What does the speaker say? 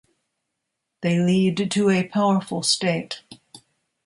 They lead to a powerful state.